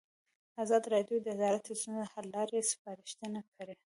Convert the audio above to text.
ازادي راډیو د عدالت د ستونزو حل لارې سپارښتنې کړي.